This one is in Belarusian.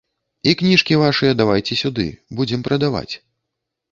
І кніжкі вашыя давайце сюды, будзем прадаваць.